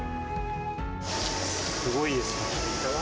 すごいですね。